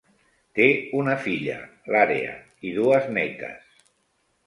Té una filla, l'Area, i dues netes.